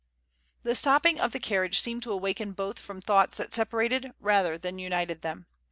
The stopping of the carriage seemed to awaken both from thoughts that separated rather than united them.